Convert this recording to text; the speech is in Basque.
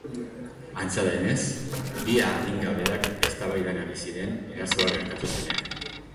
Antza denez, bi adingabeak eztabaidan ari ziren erasoa gertatu zenean.